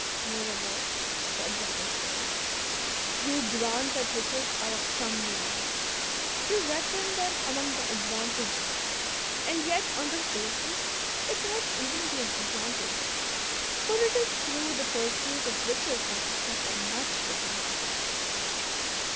Moreover," the objector says, "you grant that riches are of some use. You reckon them among the advantages ; and yet on this basis they cannot even be an advan tage, for it is through the pursuit of riches that we suffer much disadvantage."